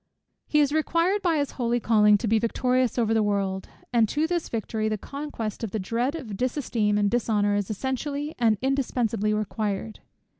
He is required by his holy calling to be victorious over the world; and to this victory, the conquest of the dread of its dis esteem and dishonour is essentially and indispensably required.